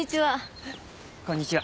こんにちは。